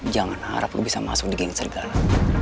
jangan harap lo bisa masuk di geng serigala